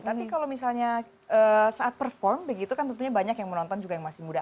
tapi kalau misalnya saat perform begitu kan tentunya banyak yang menonton juga yang masih muda